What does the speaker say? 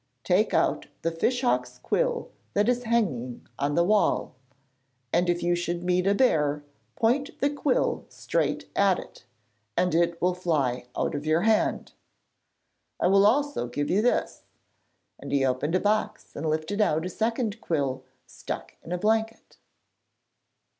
'Take out the fish hawk's quill that is hanging on the wall, and if you should meet a bear point the quill straight at it, and it will fly out of your hand. I will also give you this,' and he opened a box and lifted out a second quill stuck in a blanket.